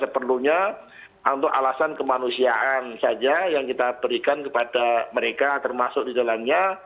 perlunya untuk alasan kemanusiaan saja yang kita berikan kepada mereka termasuk di dalamnya